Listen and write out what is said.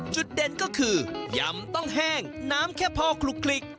จุดเด่นก็คือยำต้องแห้งน้ำแค่พอคลุก